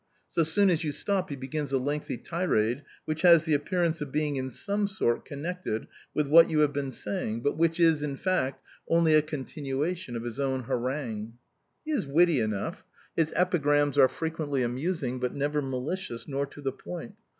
So soon as you stop, he begins a lengthy tirade, which has the appearance of being in some sort connected with what you have been saying, but which is, in fact, only a continuation of his own harangue. He is witty enough; his epigrams are frequently amusing, but never malicious, nor to the point.